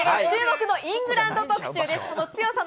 このあと注目のイングランド特集です。